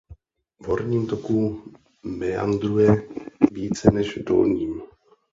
V horním toku meandruje více než v dolním.